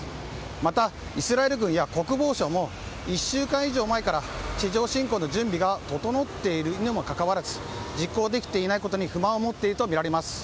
また、イスラエル軍や国防省も１週間以上前から地上侵攻の準備が整っているにもかかわらず実行できていないことに不満を持っているとみられます。